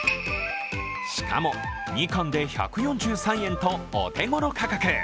しかも、２貫で１４３円とお手頃価格。